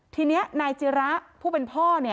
ทีนี้นายจิระผู้เป็นพ่อ